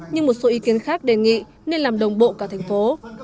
nhưng một số ý kiến khác đề nghị nên làm đồng bộ cả thành phố